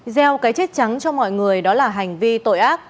gieo cái chết trắng cho mọi người đó là hành vi tội ác